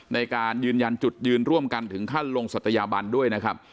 ในการยืนยันจุดยืนร่วมกันถึงขั้นลงศัตยาบันด้วยนะครับ